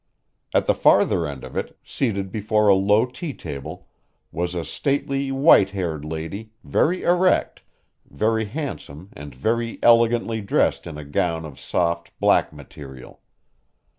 At the farther end of it, seated before a low tea table, was a stately, white haired lady, very erect, very handsome and very elegantly dressed in a gown of soft black material.